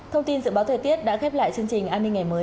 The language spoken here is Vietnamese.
hãy đăng ký kênh để ủng hộ kênh của mình nhé